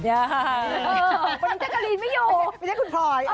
ไม่ได้กะลีนไม่อยู่